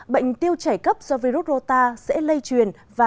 bệnh tiêu chảy cấp do virus rota sẽ lây truyền